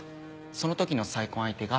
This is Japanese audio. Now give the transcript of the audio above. その時の再婚相手が。